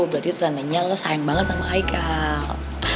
berarti ternyata lo sayang banget sama haikal